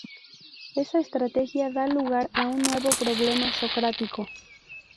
Esa estrategia da lugar a un nuevo problema socrático.